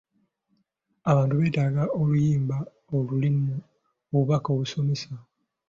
Abantu beetaaga oluyimba olulimu obubaka obusomesa.